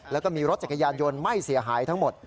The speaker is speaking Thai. แล้วก็มีรถจักรยานยนต์ไหม้เสียหายทั้งหมด